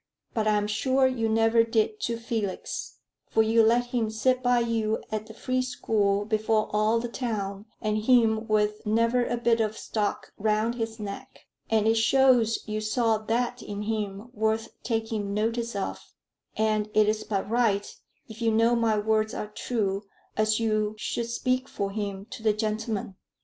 But I'm sure you never did to Felix, for you let him sit by you at the Free School before all the town, and him with never a bit of stock round his neck. And it shows you saw that in him worth taking notice of; and it is but right, if you know my words are true, as you should speak for him to the gentlemen."